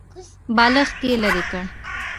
بالښت يې ليرې کړ.